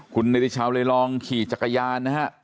คุณเนติชาวเลยลองขี่จักรยานนะฮะ